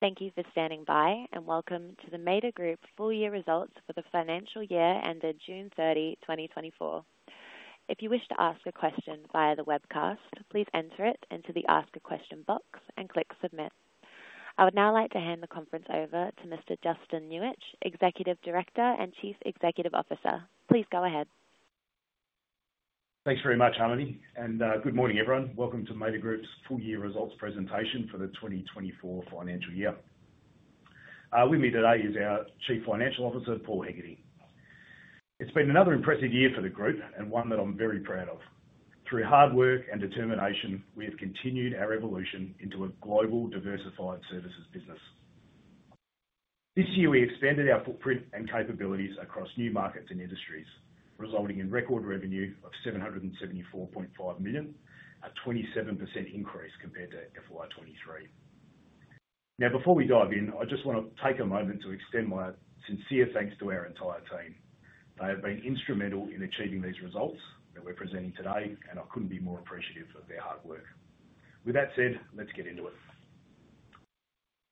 Thank you for standing by, and welcome to the Mader Group full year results for the financial year ended June 30, 2024. If you wish to ask a question via the webcast, please enter it into the Ask a Question box and click Submit. I would now like to hand the conference over to Mr. Justin Nuich, Executive Director and Chief Executive Officer. Please go ahead. Thanks very much, Harmony, and good morning, everyone. Welcome to Mader Group's full year results presentation for the 2024 financial year. With me today is our Chief Financial Officer, Paul Hegarty. It's been another impressive year for the group and one that I'm very proud of. Through hard work and determination, we have continued our evolution into a global diversified services business. This year, we expanded our footprint and capabilities across new markets and industries, resulting in record revenue of 774.5 million, a 27% increase compared to FY 2023. Now, before we dive in, I just wanna take a moment to extend my sincere thanks to our entire team. They have been instrumental in achieving these results that we're presenting today, and I couldn't be more appreciative of their hard work. With that said, let's get into it.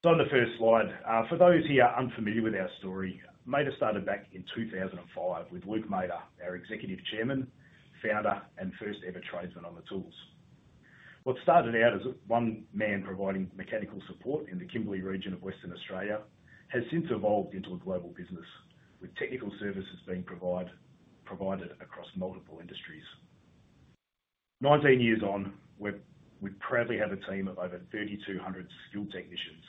On the first slide, for those who are unfamiliar with our story, Mader started back in 2005 with Luke Mader, our Executive Chairman, founder, and first-ever tradesman on the tools. What started out as one man providing mechanical support in the Kimberley region of Western Australia has since evolved into a global business, with technical services being provided across multiple industries. Nineteen years on, we proudly have a team of over 3,200 skilled technicians,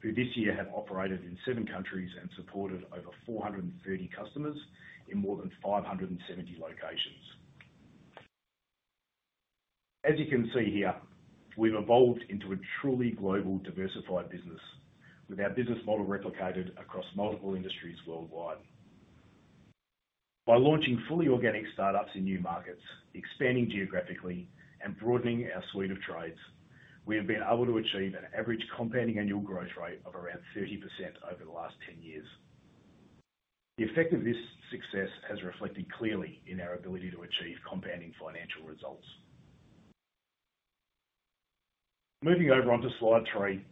who this year have operated in seven countries and supported over 430 customers in more than 570 locations. As you can see here, we've evolved into a truly global, diversified business, with our business model replicated across multiple industries worldwide. By launching fully organic start-ups in new markets, expanding geographically and broadening our suite of trades, we have been able to achieve an average compounding annual growth rate of around 30% over the last 10 years. The effect of this success has reflected clearly in our ability to achieve compounding financial results. Moving over onto slide three,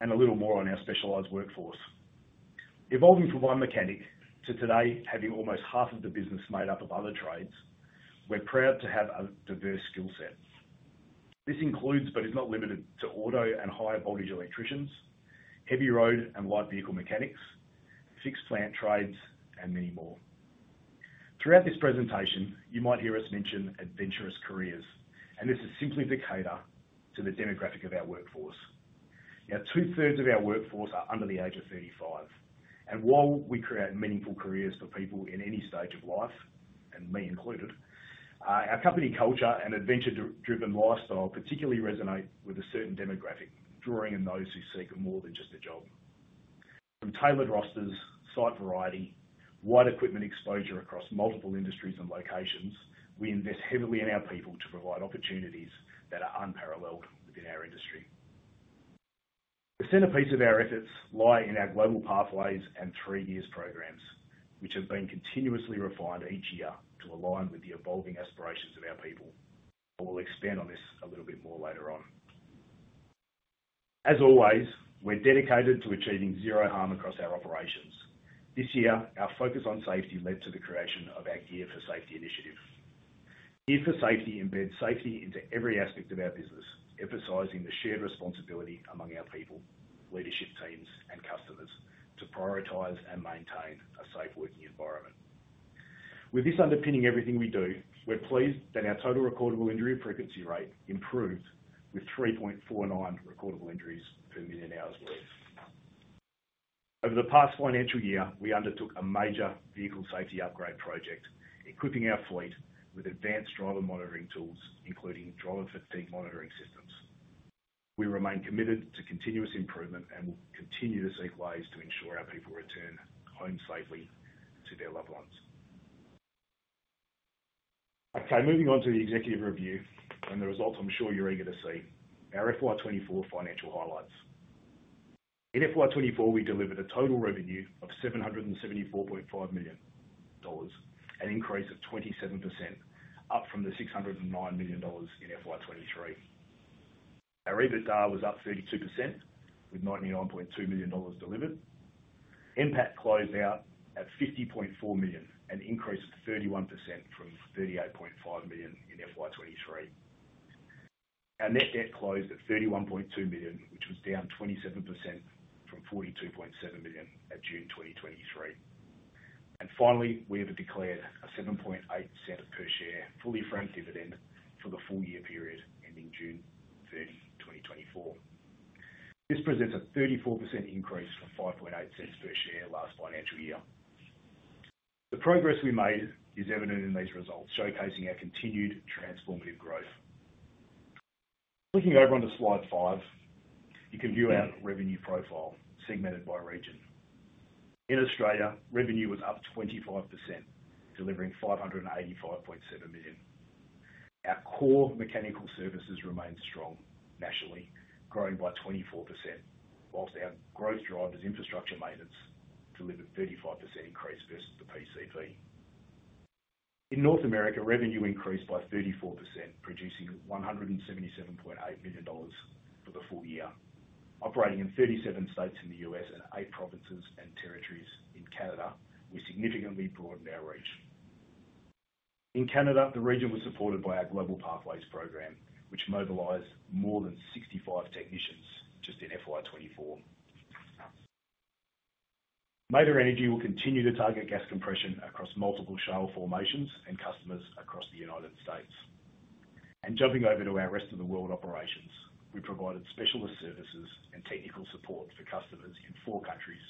and a little more on our specialized workforce. Evolving from one mechanic to today, having almost half of the business made up of other trades, we're proud to have a diverse skill set. This includes, but is not limited to auto and high voltage electricians, heavy road and light vehicle mechanics, fixed plant trades, and many more. Throughout this presentation, you might hear us mention adventurous careers, and this is simply to cater to the demographic of our workforce. Now, two-thirds of our workforce are under the age of thirty-five, and while we create meaningful careers for people in any stage of life, and me included, our company culture and adventure-driven lifestyle particularly resonate with a certain demographic, drawing in those who seek more than just a job. From tailored rosters, site variety, wide equipment exposure across multiple industries and locations, we invest heavily in our people to provide opportunities that are unparalleled within our industry. The centerpiece of our efforts lie in our Global Pathways and Three Gears programs, which have been continuously refined each year to align with the evolving aspirations of our people. I will expand on this a little bit more later on. As always, we're dedicated to achieving zero harm across our operations. This year, our focus on safety led to the creation of our Gear for Safety initiative. Gear for Safety embeds safety into every aspect of our business, emphasizing the shared responsibility among our people, leadership teams, and customers to prioritize and maintain a safe working environment. With this underpinning everything we do, we're pleased that our total recordable injury frequency rate improved with 3.49 recordable injuries per million hours worked. Over the past financial year, we undertook a major vehicle safety upgrade project, equipping our fleet with advanced driver monitoring tools, including driver fatigue monitoring systems. We remain committed to continuous improvement and will continue to seek ways to ensure our people return home safely to their loved ones. Okay, moving on to the executive review and the results I'm sure you're eager to see, our FY 2024 financial highlights. In FY 2024, we delivered a total revenue of 774.5 million dollars, an increase of 27%, up from the 609 million dollars in FY 2023. Our EBITDA was up 32%, with 99.2 million dollars delivered. NPAT closed out at 50.4 million, an increase of 31% from 38.5 million in FY 2023. Our net debt closed at 31.2 million, which was down 27% from 42.7 million at June 2023. And finally, we have declared a 7.8 cents per share, fully franked dividend for the full year period ending June 30, 2024. This presents a 34% increase from 5.8 cents per share last financial year. The progress we made is evident in these results, showcasing our continued transformative growth. Looking over onto slide five, you can view our revenue profile segmented by region. In Australia, revenue was up 25%, delivering 585.7 million. Our core mechanical services remained strong nationally, growing by 24%, while our growth drivers, infrastructure maintenance, delivered 35% increase versus the PCP. In North America, revenue increased by 34%, producing $177.8 million for the full year. Operating in 37 states in the U.S. and 8 provinces and territories in Canada, we significantly broadened our reach. In Canada, the region was supported by our Global Pathways Program, which mobilized more than 65 technicians just in FY 2024. Mader Energy will continue to target gas compression across multiple shale formations and customers across the United States. Jumping over to our Rest of World operations, we provided specialist services and technical support for customers in four countries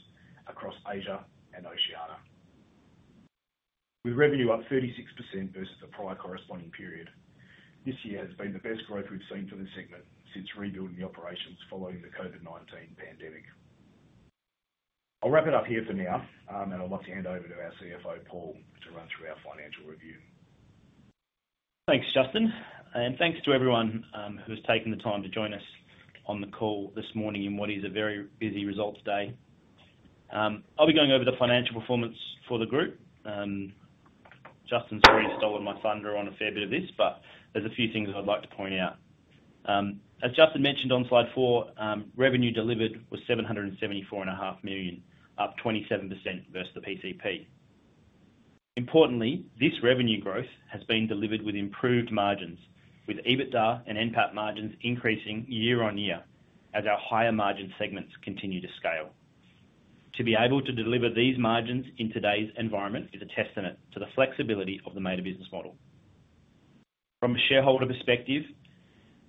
across Asia and Oceania. With revenue up 36% versus the prior corresponding period, this year has been the best growth we've seen for this segment since rebuilding the operations following the COVID-19 pandemic. I'll wrap it up here for now, and I'd like to hand over to our CFO, Paul, to run through our financial review. Thanks, Justin, and thanks to everyone who has taken the time to join us on the call this morning in what is a very busy results day. I'll be going over the financial performance for the group. Justin's already stolen my thunder on a fair bit of this, but there's a few things I'd like to point out. As Justin mentioned on slide four, revenue delivered was 774.5 million, up 27% versus the PCP. Importantly, this revenue growth has been delivered with improved margins, with EBITDA and NPAT margins increasing year-on-year as our higher margin segments continue to scale. To be able to deliver these margins in today's environment is a testament to the flexibility of the Mader business model. From a shareholder perspective,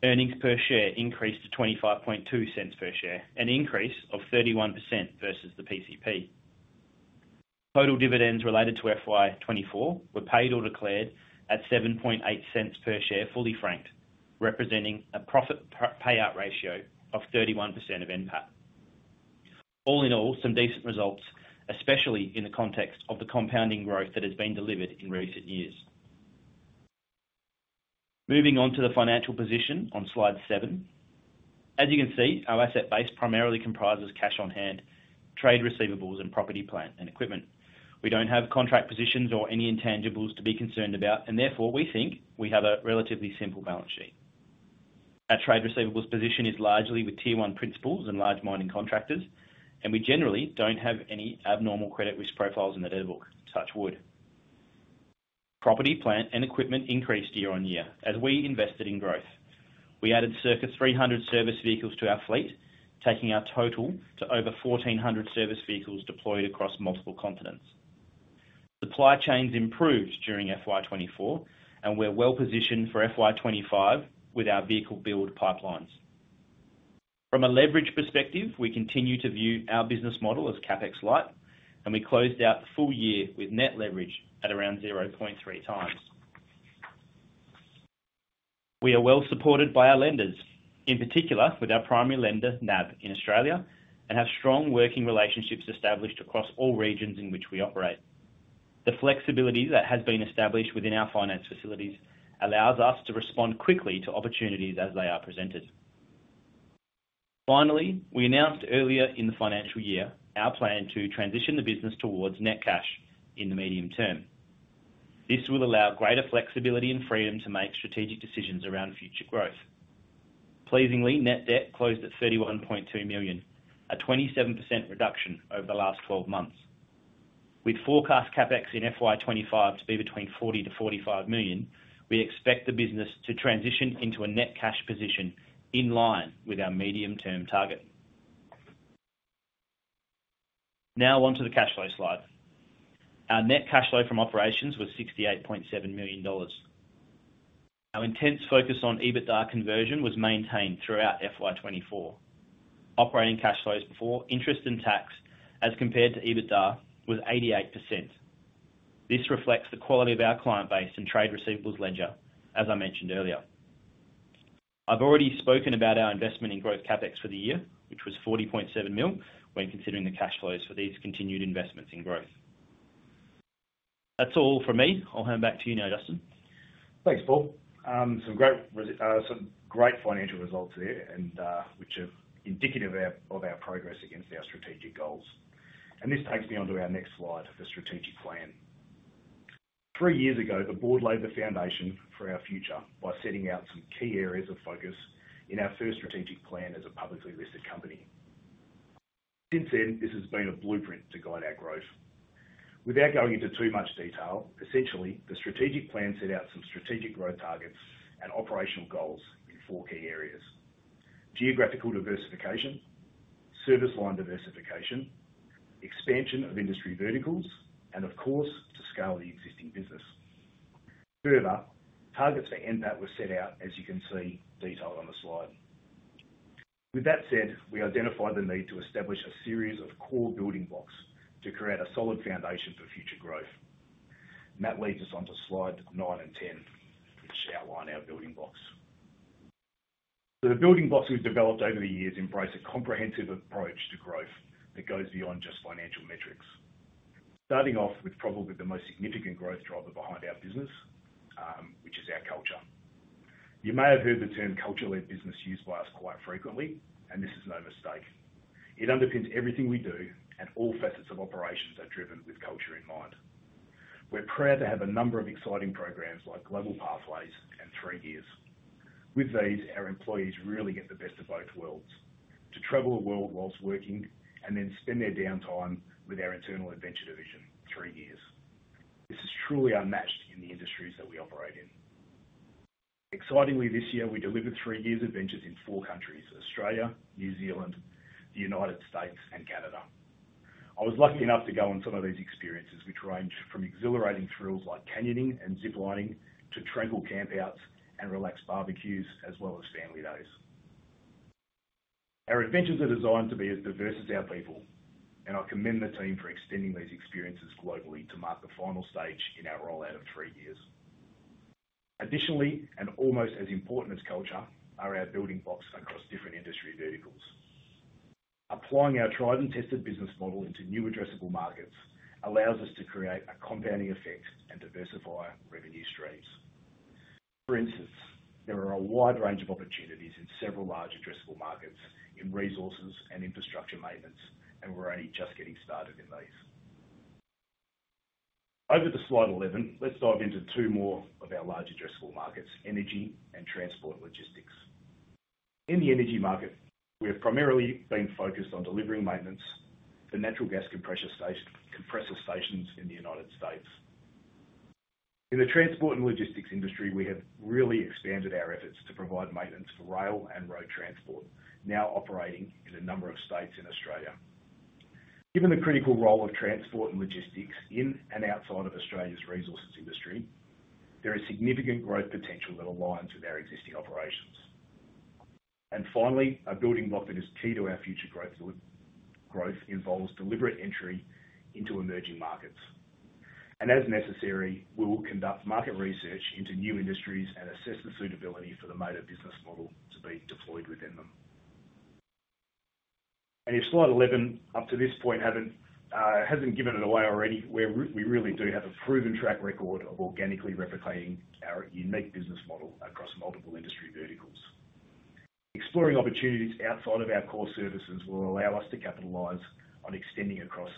earnings per share increased to 0.252 per share, an increase of 31% versus the PCP. Total dividends related to FY 2024 were paid or declared at 0.078 per share, fully franked, representing a payout ratio of 31% of NPAT. All in all, some decent results, especially in the context of the compounding growth that has been delivered in recent years. Moving on to the financial position on slide seven. As you can see, our asset base primarily comprises cash on hand, trade receivables, and property, plant, and equipment. We don't have contract positions or any intangibles to be concerned about, and therefore, we think we have a relatively simple balance sheet. Our trade receivables position is largely with Tier One principals and large mining contractors, and we generally don't have any abnormal credit risk profiles in the debt book, touch wood. Property, plant, and equipment increased year-on-year as we invested in growth. We added circa 300 service vehicles to our fleet, taking our total to over 1,400 service vehicles deployed across multiple continents. Supply chains improved during FY 2024, and we're well-positioned for FY 2025 with our vehicle build pipelines. From a leverage perspective, we continue to view our business model as CapEx light, and we closed out the full year with net leverage at around 0.3x. We are well supported by our lenders, in particular with our primary lender, NAB, in Australia, and have strong working relationships established across all regions in which we operate. The flexibility that has been established within our finance facilities allows us to respond quickly to opportunities as they are presented. Finally, we announced earlier in the financial year our plan to transition the business towards net cash in the medium term. This will allow greater flexibility and freedom to make strategic decisions around future growth. Pleasingly, net debt closed at 31.2 million, a 27% reduction over the last 12 months. With forecast CapEx in FY 2025 to be between 40-45 million, we expect the business to transition into a net cash position in line with our medium-term target. Now on to the cash flow slide. Our net cash flow from operations was 68.7 million dollars. Our intense focus on EBITDA conversion was maintained throughout FY 2024. Operating cash flows before interest and tax, as compared to EBITDA, was 88%. This reflects the quality of our client base and trade receivables ledger, as I mentioned earlier. I've already spoken about our investment in growth CapEx for the year, which was 40.7 million, when considering the cash flows for these continued investments in growth. That's all from me. I'll hand back to you now, Justin. Thanks, Paul. Some great financial results there and which are indicative of our progress against our strategic goals. This takes me on to our next slide, the strategic plan. Three years ago, the board laid the foundation for our future by setting out some key areas of focus in our first strategic plan as a publicly listed company. Since then, this has been a blueprint to guide our growth. Without going into too much detail, essentially, the strategic plan set out some strategic growth targets and operational goals in four key areas: geographical diversification, service line diversification, expansion of industry verticals, and of course, to scale the existing business. Further, targets for NPAT were set out, as you can see, detailed on the slide. With that said, we identified the need to establish a series of core building blocks to create a solid foundation for future growth. And that leads us on to slides nine and ten, which outline our building blocks. So the building blocks we've developed over the years embrace a comprehensive approach to growth that goes beyond just financial metrics. Starting off with probably the most significant growth driver behind our business, which is our culture. You may have heard the term culture-led business used by us quite frequently, and this is no mistake. It underpins everything we do, and all facets of operations are driven with culture in mind. We're proud to have a number of exciting programs like Global Pathways and Three Gears. With these, our employees really get the best of both worlds, to travel the world while working and then spend their downtime with our internal adventure division, Three Gears. This is truly unmatched in the industries that we operate in. Excitingly, this year, we delivered Three Gears' adventures in four countries, Australia, New Zealand, the United States, and Canada. I was lucky enough to go on some of these experiences, which range from exhilarating thrills like canyoning and zip lining to tranquil campouts and relaxed barbecues, as well as family days. Our adventures are designed to be as diverse as our people, and I commend the team for extending these experiences globally to mark the final stage in our rollout of Three Gears. Additionally, and almost as important as culture, are our building blocks across different industry verticals. Applying our tried and tested business model into new addressable markets allows us to create a compounding effect and diversify revenue streams. For instance, there are a wide range of opportunities in several large addressable markets in resources and infrastructure maintenance, and we're only just getting started in these. Over to slide eleven, let's dive into two more of our large addressable markets, energy and transport logistics. In the energy market, we have primarily been focused on delivering maintenance for natural gas compressor stations in the United States. In the transport and logistics industry, we have really expanded our efforts to provide maintenance for rail and road transport, now operating in a number of states in Australia. Given the critical role of transport and logistics in and outside of Australia's resources industry, there is significant growth potential that aligns with our existing operations. Finally, a building block that is key to our future growth involves deliberate entry into emerging markets. As necessary, we will conduct market research into new industries and assess the suitability for the Mader business model to be deployed within them. If slide eleven, up to this point, hasn't given it away already, we really do have a proven track record of organically replicating our unique business model across multiple industry verticals. Exploring opportunities outside of our core services will allow us to capitalize on extending across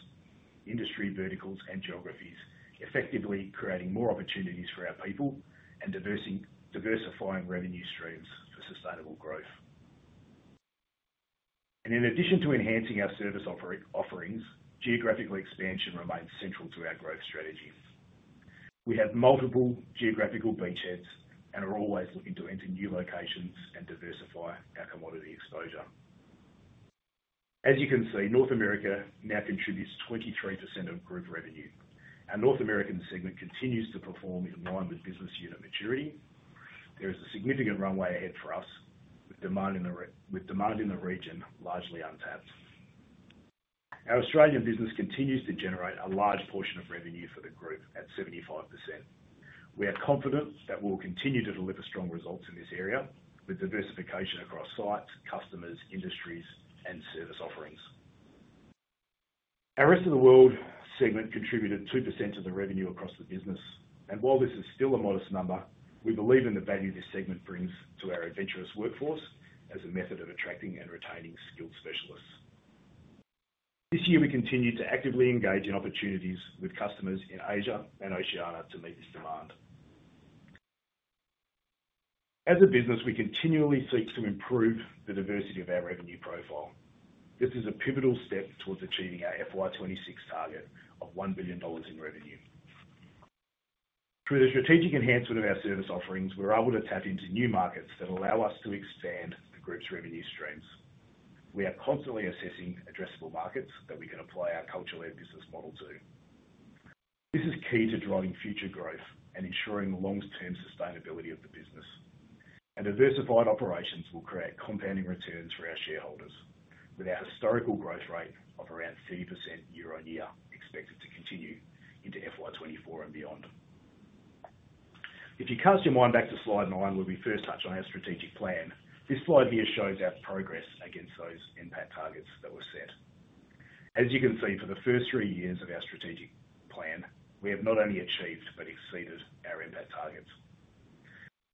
industry verticals and geographies, effectively creating more opportunities for our people and diversifying revenue streams for sustainable growth. In addition to enhancing our service offerings, geographical expansion remains central to our growth strategy. We have multiple geographical beachheads and are always looking to enter new locations and diversify our commodity exposure. As you can see, North America now contributes 23% of group revenue. Our North American segment continues to perform in line with business unit maturity. There is a significant runway ahead for us, with demand in the region largely untapped. Our Australian business continues to generate a large portion of revenue for the group at 75%. We are confident that we'll continue to deliver strong results in this area with diversification across sites, customers, industries, and service offerings. Our Rest of World segment contributed 2% of the revenue across the business, and while this is still a modest number, we believe in the value this segment brings to our adventurous workforce as a method of attracting and retaining skilled specialists. This year, we continued to actively engage in opportunities with customers in Asia and Oceania to meet this demand. As a business, we continually seek to improve the diversity of our revenue profile. This is a pivotal step towards achieving our FY 2026 target of 1 billion dollars in revenue. Through the strategic enhancement of our service offerings, we're able to tap into new markets that allow us to expand the group's revenue streams. We are constantly assessing addressable markets that we can apply our culture-led business model to. This is key to driving future growth and ensuring the long-term sustainability of the business, and diversified operations will create compounding returns for our shareholders, with our historical growth rate of around 30% year-on-year, expected to continue into FY 2024 and beyond. If you cast your mind back to slide 9, where we first touched on our strategic plan, this slide here shows our progress against those NPAT targets that were set. As you can see, for the first three years of our strategic plan, we have not only achieved but exceeded our NPAT targets.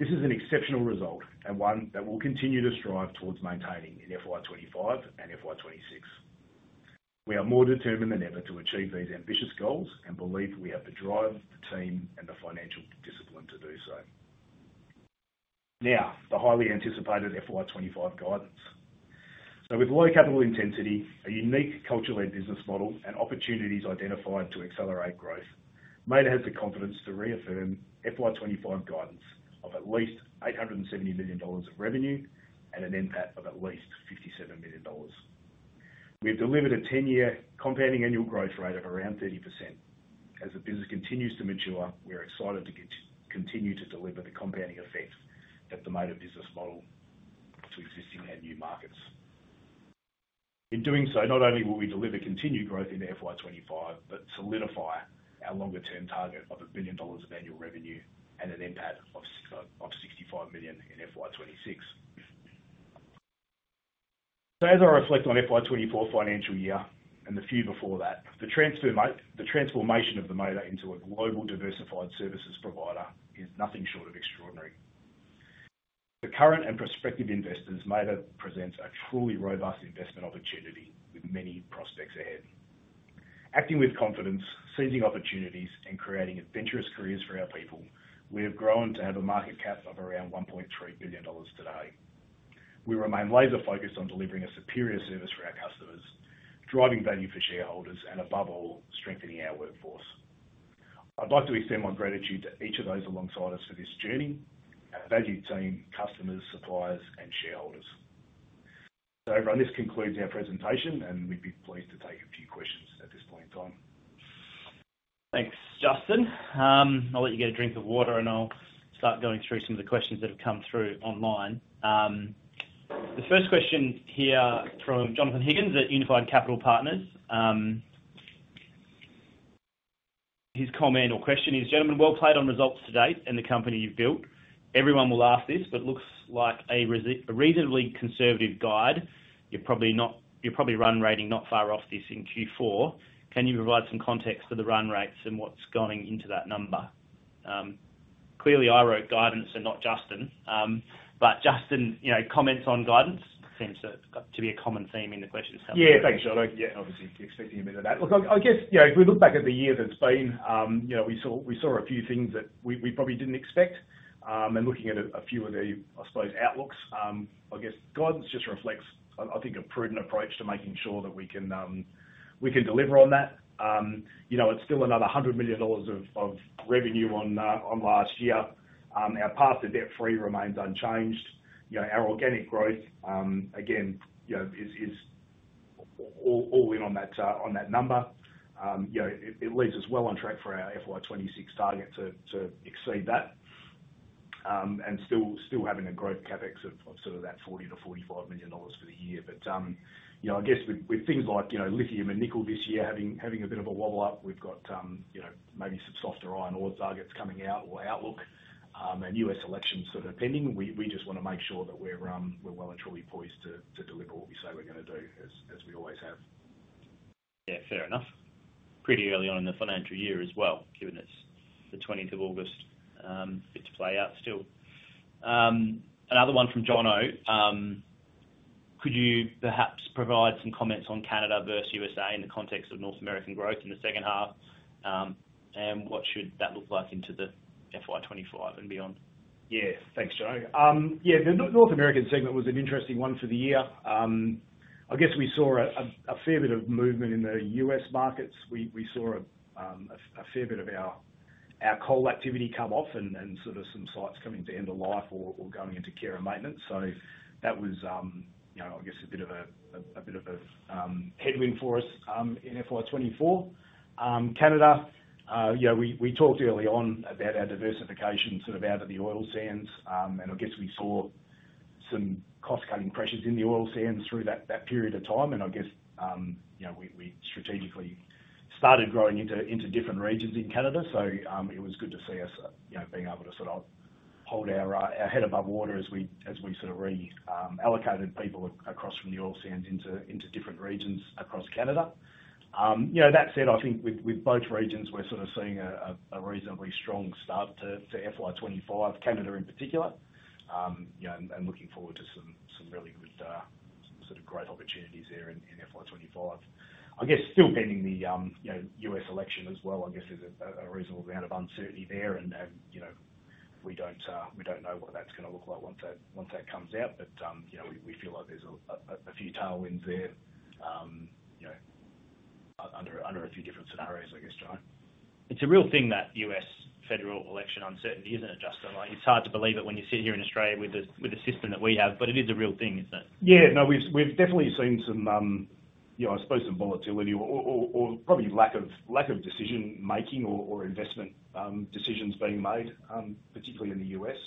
This is an exceptional result and one that we'll continue to strive towards maintaining in FY 2025 and FY 2026. We are more determined than ever to achieve these ambitious goals and believe we have the drive, the team, and the financial discipline to do so. Now, the highly anticipated FY 2025 guidance. With low capital intensity, a unique culture-led business model, and opportunities identified to accelerate growth, Mader has the confidence to reaffirm FY 2025 guidance of at least 870 million dollars of revenue and an NPAT of at least 57 million dollars. We've delivered a 10-year compounding annual growth rate of around 30%. As the business continues to mature, we are excited to continue to deliver the compounding effect of the Mader business model to existing and new markets. In doing so, not only will we deliver continued growth in FY 2025, but solidify our longer-term target of 1 billion dollars of annual revenue and an NPAT of sixty-five million in FY 2026. As I reflect on FY 2024 financial year and the few before that, the transformation of Mader into a global diversified services provider is nothing short of extraordinary. For current and prospective investors, Mader presents a truly robust investment opportunity with many prospects ahead. Acting with confidence, seizing opportunities, and creating adventurous careers for our people, we have grown to have a market cap of around 1.3 billion dollars today. We remain laser focused on delivering a superior service for our customers, driving value for shareholders, and above all, strengthening our workforce. I'd like to extend my gratitude to each of those alongside us for this journey, our valued team, customers, suppliers, and shareholders. So everyone, this concludes our presentation, and we'd be pleased to take a few questions at this point in time. Thanks, Justin. I'll let you get a drink of water, and I'll start going through some of the questions that have come through online. The first question here from Jonathan Higgins at Unified Capital Partners. His comment or question is: "Gentlemen, well played on results to date and the company you've built. Everyone will ask this, but it looks like a reasonably conservative guide. You're probably run rating not far off this in Q4. Can you provide some context for the run rates and what's gone into that number?" Clearly, I wrote guidance and not Justin, but Justin, you know, comments on guidance seems to be a common theme in the questions. Yeah, thanks, John. Yeah, obviously, expecting a bit of that. Look, I guess, you know, if we look back at the year that's been, you know, we saw a few things that we probably didn't expect, and looking at a few of the, I suppose, outlooks, I guess guidance just reflects, I think, a prudent approach to making sure that we can, we can deliver on that. You know, it's still another 100 million dollars of revenue on last year. Our path to debt-free remains unchanged. You know, our organic growth, again, you know, is all in on that number. You know, it leaves us well on track for our FY 2026 target to exceed that, and still having a growth CapEx of sort of that 40 million-45 million dollars for the year. But you know, I guess with things like, you know, lithium and nickel this year, having a bit of a wobble up, we've got, you know, maybe some softer iron ore targets coming out or outlook, and U.S. elections sort of pending. We just wanna make sure that we're well and truly poised to deliver what we say we're gonna do, as we always have. Yeah, fair enough. Pretty early on in the financial year as well, given it's the 20th of August, bit to play out still. Another one from John O. Could you perhaps provide some comments on Canada versus USA in the context of North American growth in the second half? And what should that look like into the FY 2025 and beyond? Yeah. Thanks, John. Yeah, the North American segment was an interesting one for the year. I guess we saw a fair bit of movement in the U.S. markets. We saw a fair bit of our coal activity come off and sort of some sites coming to end of life or going into care and maintenance. So that was, you know, I guess a bit of a headwind for us in FY 2024. Canada, you know, we talked early on about our diversification sort of out of the oil sands. And I guess we saw some cost-cutting pressures in the oil sands through that period of time, and I guess, you know, we strategically started growing into different regions in Canada. It was good to see us, you know, being able to sort of hold our head above water as we sort of reallocated people across from the oil sands into different regions across Canada. You know, that said, I think with both regions, we're sort of seeing a reasonably strong start to FY 2025, Canada in particular. You know, and looking forward to some really good, some sort of great opportunities there in FY 2025. I guess, still pending the, you know, U.S. election as well, I guess there's a reasonable amount of uncertainty there, and, you know, we don't know what that's gonna look like once that comes out. But, you know, we feel like there's a few tailwinds there, you know, under a few different scenarios, I guess, John. It's a real thing, that U.S. federal election uncertainty, isn't it, Justin? Like, it's hard to believe it when you sit here in Australia with the system that we have, but it is a real thing, isn't it? Yeah. No, we've definitely seen some, you know, I suppose some volatility or probably lack of decision-making or investment decisions being made, particularly in the US,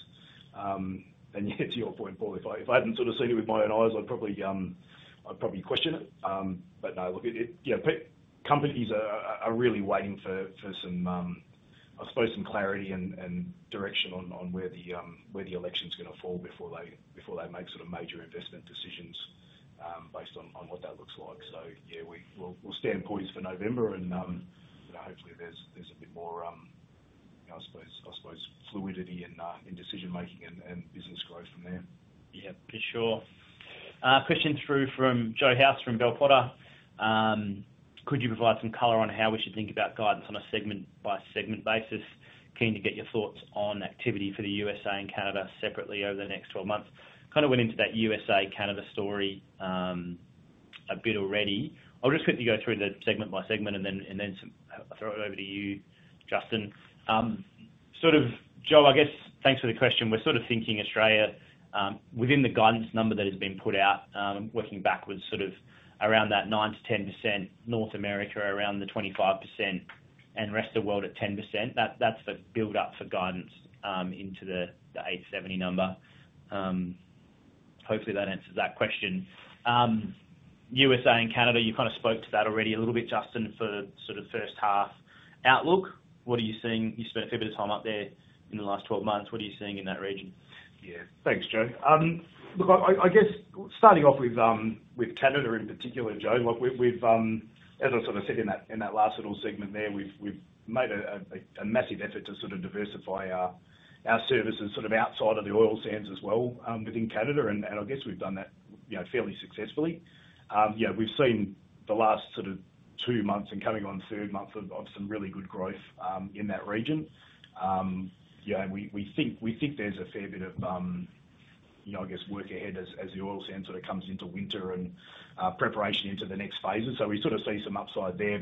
and yeah, to your point, Paul, if I hadn't sort of seen it with my own eyes, I'd probably question it. But no, look, it. You know, companies are really waiting for some, I suppose, some clarity and direction on where the election's gonna fall before they make sort of major investment decisions, based on what that looks like. So yeah, we'll stand poised for November, and you know, hopefully, there's a bit more, I suppose, fluidity in decision-making and business growth from there. Yeah, for sure. Question through from Joe House, from Bell Potter. Could you provide some color on how we should think about guidance on a segment-by-segment basis? Keen to get your thoughts on activity for the USA and Canada separately over the next 12 months. Kind of went into that USA, Canada story, a bit already. I'll just quickly go through the segment-by-segment and then, I'll throw it over to you, Justin. Sort of, Joe, I guess, thanks for the question. We're sort of thinking Australia, within the guidance number that has been put out, working backwards, sort of around that 9%-10%, North America around the 25%, and Rest of World at 10%. That's the build-up for guidance, into the 870 number. USA and Canada, you kind of spoke to that already a little bit, Justin, for the sort of first half outlook. What are you seeing? You spent a fair bit of time up there in the last 12 months. What are you seeing in that region? Yeah. Thanks, Joe. Look, I guess starting off with Canada in particular, Joe, look, we've, as I sort of said in that last little segment there, we've made a massive effort to sort of diversify our services sort of outside of the oil sands as well, within Canada, and I guess we've done that, you know, fairly successfully. Yeah, we've seen the last sort of two months and coming on the third month of some really good growth in that region. Yeah, and we think there's a fair bit of, you know, I guess, work ahead as the oil sand sort of comes into winter and preparation into the next phases. So we sort of see some upside there.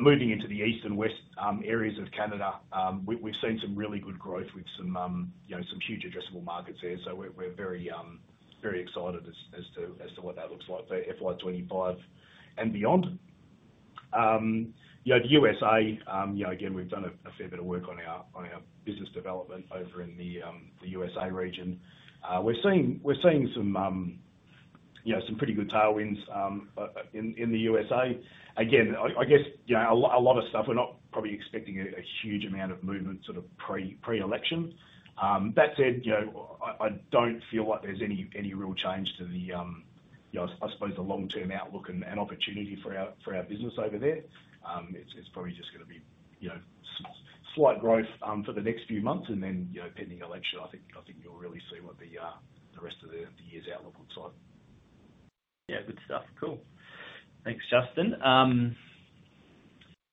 Moving into the east and west areas of Canada, we've seen some really good growth with some, you know, some huge addressable markets there. So we're very very excited as to what that looks like for FY 2025 and beyond. Yeah, the USA, you know, again, we've done a fair bit of work on our business development over in the USA region. We're seeing some, you know, some pretty good tailwinds in the USA. Again, I guess, you know, a lot of stuff, we're not probably expecting a huge amount of movement sort of pre-election. That said, you know, I don't feel like there's any real change to the, you know, I suppose the long-term outlook and opportunity for our business over there. It's probably just gonna be, you know, slight growth for the next few months, and then, you know, pending the election, I think you'll really see what the rest of the year's outlook looks like. Yeah. Good stuff. Cool. Thanks, Justin.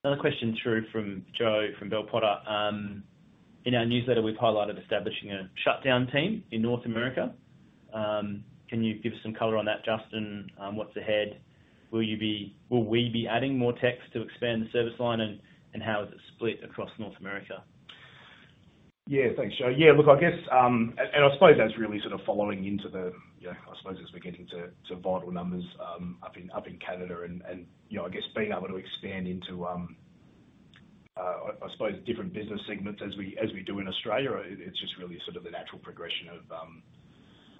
Another question through from Joe from Bell Potter. In our newsletter, we've highlighted establishing a shutdown team in North America. Can you give us some color on that, Justin? What's ahead? Will we be adding more techs to expand the service line, and how is it split across North America? Yeah. Thanks, Joe. Yeah, look, I guess, and I suppose that's really sort of following into the, you know, I suppose as we're getting to vital numbers up in Canada and, you know, I guess being able to expand into different business segments as we do in Australia, it's just really sort of a natural progression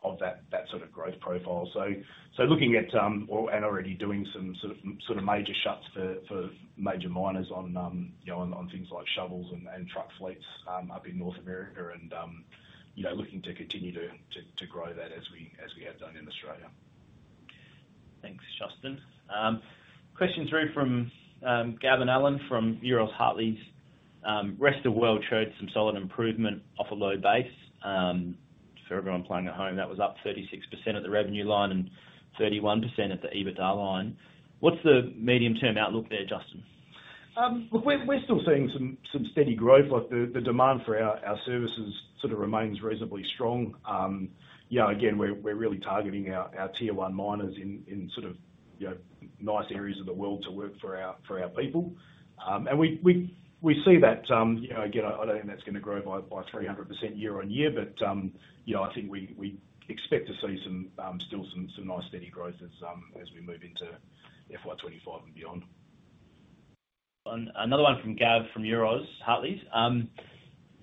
of that sort of growth profile. So looking at, or, and already doing some sort of major shuts for major miners on, you know, on things like shovels and truck fleets up in North America and, you know, looking to continue to grow that as we have done in Australia. Thanks, Justin. Question through from Gavin Allen from Euroz Hartleys. Rest of World showed some solid improvement off a low base. For everyone playing at home, that was up 36% at the revenue line and 31% at the EBITDA line. What's the medium-term outlook there, Justin? Look, we're still seeing some steady growth. Like, the demand for our services sort of remains reasonably strong. You know, again, we're really targeting our Tier One miners in sort of, you know, nice areas of the world to work for our people. And we see that, you know, again, I don't think that's gonna grow by 300% year on year. But, you know, I think we expect to see some still some nice steady growth as we move into FY 2025 and beyond. Another one from Gav, from Euroz Hartleys.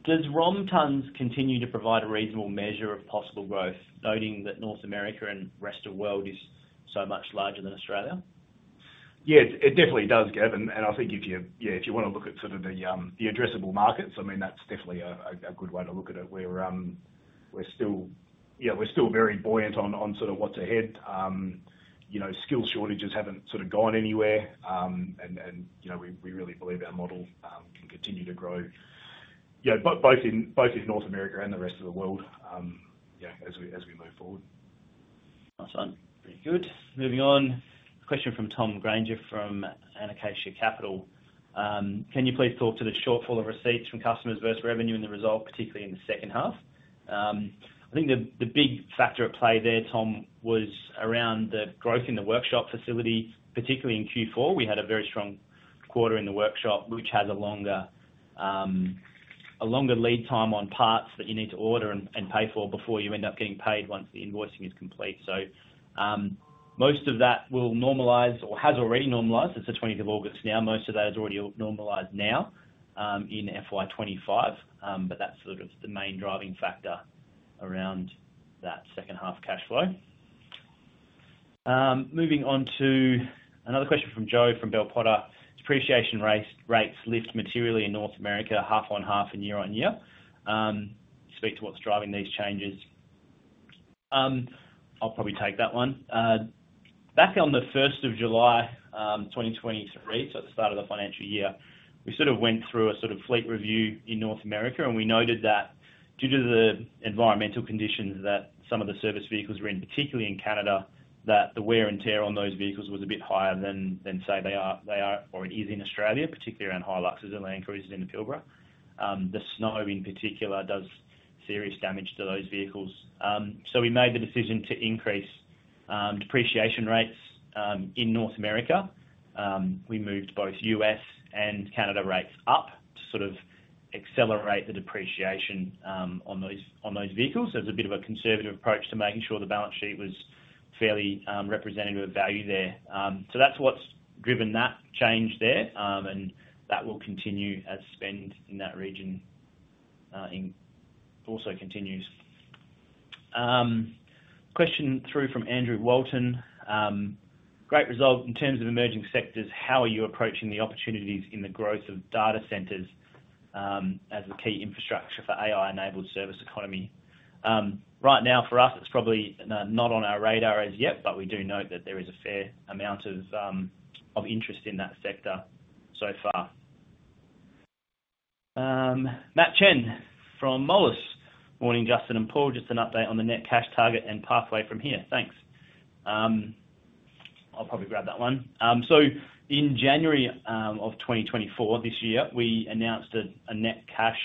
Does ROM tonnes continue to provide a reasonable measure of possible growth, noting that North America and rest of world is so much larger than Australia? Yeah, it definitely does, Gav, and I think if you, yeah, if you wanna look at sort of the addressable markets, I mean, that's definitely a good way to look at it. We're still, yeah, we're still very buoyant on sort of what's ahead. You know, skill shortages haven't sort of gone anywhere, and you know, we really believe our model can continue to grow, yeah, both in North America and the Rest of World, yeah, as we move forward. Nice one. Very good. Moving on, a question from Tom Granger, from Acacia Capital. Can you please talk to the shortfall of receipts from customers versus revenue and the result, particularly in the second half? I think the big factor at play there, Tom, was around the growth in the workshop facility, particularly in Q4. We had a very strong quarter in the workshop, which has a longer lead time on parts that you need to order and pay for before you end up getting paid once the invoicing is complete. So, most of that will normalize or has already normalized. It's the 20th of August now. Most of that is already normalized now, in FY 2025, but that's sort of the main driving factor around that second half cash flow. Moving on to another question from Joe, from Bell Potter. Depreciation rates lift materially in North America, half on half and year on year. Speak to what's driving these changes. I'll probably take that one. Back on the first of July 2023, so at the start of the financial year, we sort of went through a sort of fleet review in North America, and we noted that due to the environmental conditions that some of the service vehicles were in, particularly in Canada, that the wear and tear on those vehicles was a bit higher than, say, they are or it is in Australia, particularly around Hiluxes and Land Cruisers in the Pilbara. The snow, in particular, does serious damage to those vehicles. So we made the decision to increase depreciation rates in North America. We moved both U.S. and Canada rates up to sort of accelerate the depreciation, on those vehicles. So it was a bit of a conservative approach to making sure the balance sheet was fairly representative of value there. So that's what's driven that change there, and that will continue as spend in that region also continues. Question through from Andrew Walton. Great result in terms of emerging sectors, how are you approaching the opportunities in the growth of data centers, as a key infrastructure for AI-enabled service economy? Right now, for us, it's probably not on our radar as yet, but we do note that there is a fair amount of interest in that sector so far. Matt Chen from Moelis. Morning, Justin and Paul, just an update on the net cash target and pathway from here. Thanks." I'll probably grab that one. So in January of 2024, this year, we announced a net cash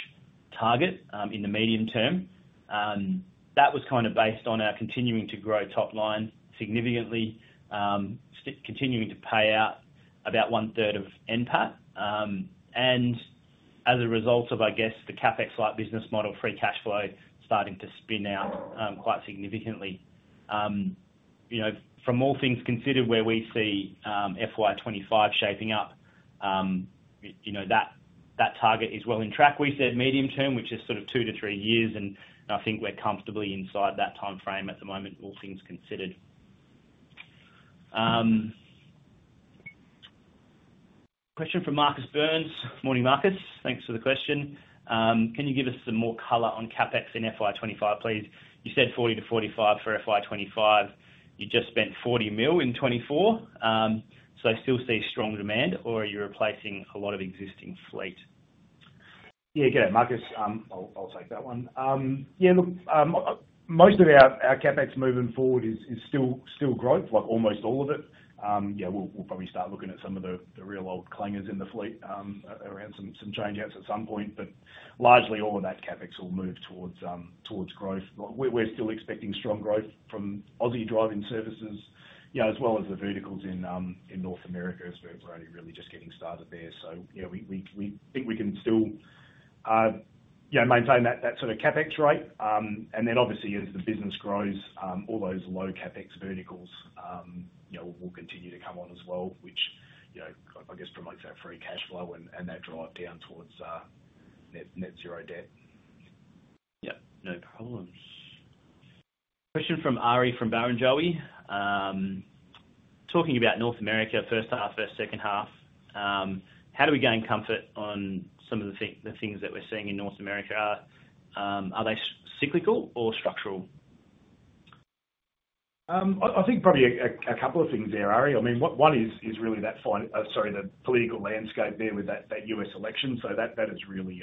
target in the medium term. That was kind of based on our continuing to grow top line significantly, continuing to pay out about one-third of NPAT. And as a result of, I guess, the CapEx-like business model, free cash flow starting to spin out quite significantly. You know, from all things considered, where we see FY 2025 shaping up, you know, that target is well in track. We said medium term, which is sort of two to three years, and I think we're comfortably inside that timeframe at the moment, all things considered. Question from Marcus Burns. Morning, Marcus. Thanks for the question. Can you give us some more color on CapEx in FY 2025, please? You said 40 to 45 for FY 2025. You just spent 40 million in 2024. So still see strong demand, or are you replacing a lot of existing fleet? Yeah. Good day, Marcus. I'll take that one. Yeah, look, most of our CapEx moving forward is still growth, like almost all of it. Yeah, we'll probably start looking at some of the real old clangers in the fleet, around some change outs at some point, but largely all of that CapEx will move towards growth. We're still expecting strong growth from Aussie drive-in services, you know, as well as the verticals in North America, as we're only really just getting started there. So, you know, we think we can still, yeah, maintain that sort of CapEx rate. And then obviously, as the business grows, all those low CapEx verticals, you know, will continue to come on as well, which, you know, I guess, promotes our free cash flow and that drive down towards net zero debt. Yeah, no problems. Question from Ari, from Barrenjoey. Talking about North America, first half versus second half, how do we gain comfort on some of the things that we're seeing in North America? Are they cyclical or structural? I think probably a couple of things there, Ari. I mean, one is really that, sorry, the political landscape there with that U.S. election. So that is really,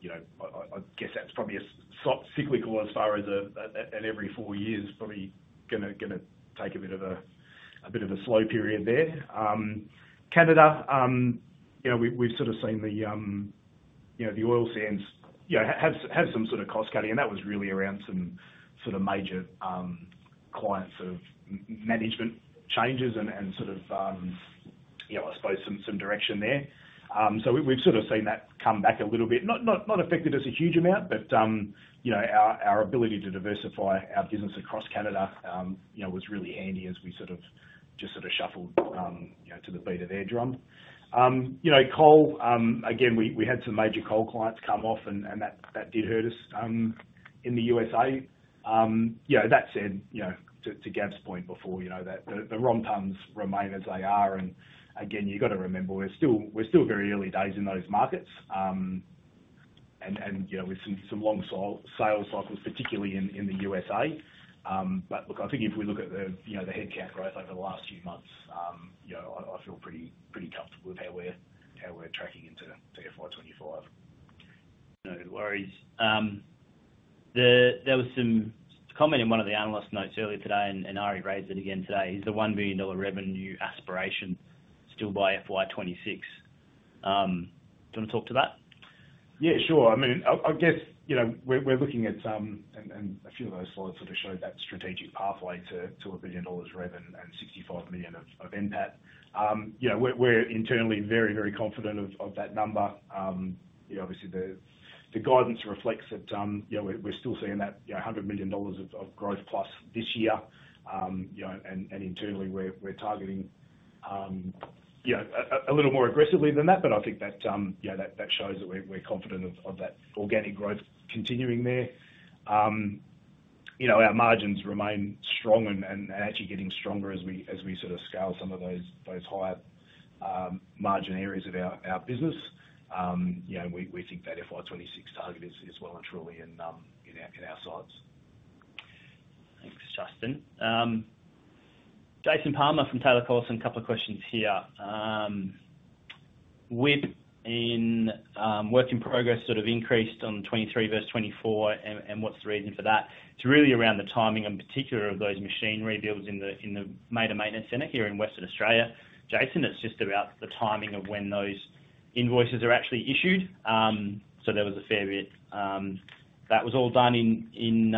you know, I guess that's probably a sort of cyclical as far as the U.S. and every four years, probably gonna take a bit of a slow period there. Canada, you know, we, we've sort of seen the, you know, the oil sands, you know, have some sort of cost cutting, and that was really around some sort of major clients or management changes and sort of, you know, I suppose some direction there. So we've sort of seen that come back a little bit. Not affected us a huge amount, but you know, our ability to diversify our business across Canada, you know, was really handy as we sort of shuffled, you know, to the beat of their drum. You know, coal, again, we had some major coal clients come off, and that did hurt us in the USA. You know, that said, you know, to Gav's point before, you know, that the ROM tonnes remain as they are, and again, you've got to remember, we're still very early days in those markets. And you know, with some long sales cycles, particularly in the USA. But look, I think if we look at the, you know, the headcount growth over the last few months, you know, I feel pretty comfortable with how we're tracking into the FY 2025. No worries. There was some comment in one of the analyst notes earlier today, and Ari raised it again today: Is the 1 million dollar revenue aspiration still by FY 2026? Do you want to talk to that? Yeah, sure. I mean, I guess, you know, we're looking at some and a few of those slides sort of showed that strategic pathway to 1 billion dollars rev and 65 million of NPAT. You know, we're internally very, very confident of that number. You know, obviously, the guidance reflects that, you know, we're still seeing that you know 100 million dollars of growth plus this year. You know, and internally, we're targeting you know a little more aggressively than that, but I think that you know that shows that we're confident of that organic growth continuing there. You know, our margins remain strong and actually getting stronger as we sort of scale some of those higher margin areas of our business. You know, we think that FY 2026 target is well and truly in our sights. Thanks, Justin. Jason Palmer from Taylor Collison. A couple of questions here. With work in progress sort of increased on 2023 versus 2024, and what's the reason for that? It's really around the timing, in particular, of those machine rebuilds in the Mader Maintenance Centre here in Western Australia. Jason, it's just about the timing of when those invoices are actually issued. So there was a fair bit. That was all done in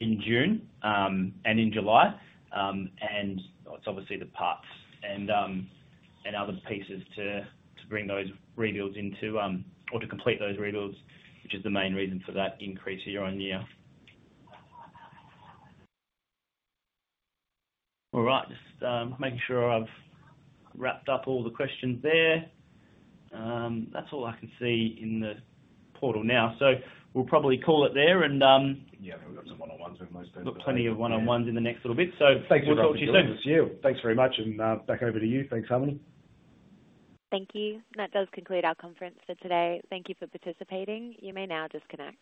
June and in July. And it's obviously the parts and other pieces to bring those rebuilds into or to complete those rebuilds, which is the main reason for that increase year on year. All right. Just making sure I've wrapped up all the questions there. That's all I can see in the portal now, so we'll probably call it there, and. Yeah, we've got some one-on-ones with most people- Got plenty of one-on-ones in the next little bit. Thank you, Robin- So we'll talk to you soon. Thanks very much, and back over to you. Thanks, Harmony. Thank you. That does conclude our conference for today. Thank you for participating. You may now disconnect.